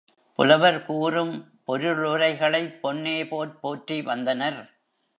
புலவர் கூறும் பொருளுரைகளைப் பொன்னேபோற் போற்றி வந்தனர்.